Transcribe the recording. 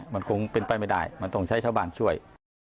มันคงเป็นไปไม่ได้มันต้องใช้ชาวบ้านช่วย